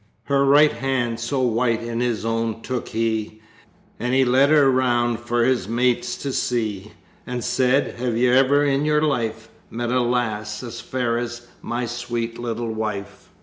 Her right hand so white in his own took he, And he led her round for his mates to see! And said, "Have you ever in all your life, Met a lass as fair as my sweet little wife?"'